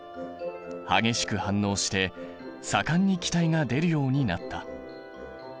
激しく反応して盛んに気体が出るようになった。